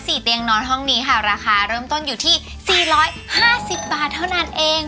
เตียงนอนห้องนี้ค่ะราคาเริ่มต้นอยู่ที่สี่ร้อยห้าสิบบาทเท่านั้นเอง